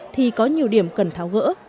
thì có nhiều điểm cần tháo gỡ